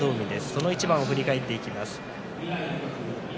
その一番を振り返っていきます。